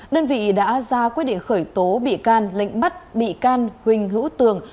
đơn vị đã ra quyết định khởi tố bị can lệnh bắt bị can huỳnh hữu tường